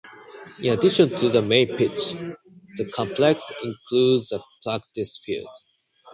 In addition to the main pitch, the complex includes a practice field.